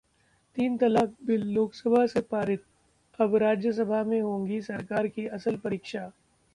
तीन तलाक बिल लोकसभा से पारित, अब राज्यसभा में होगी सरकार की असल परीक्षा